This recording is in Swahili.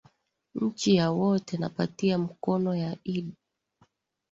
nchi ya wote napatia mkono ya idd